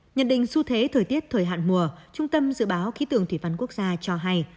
nhận định xu thế thời tiết thời hạn mùa trung tâm dự báo khí tượng thủy văn quốc gia cho hay